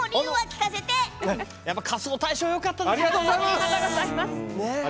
やっぱ「仮装大賞」よかったですよね。